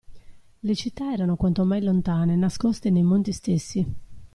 Le città era quanto mai lontane, nascoste nei monti stessi.